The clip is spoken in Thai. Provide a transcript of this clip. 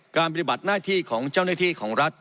ปฏิบัติหน้าที่ของเจ้าหน้าที่ของรัฐ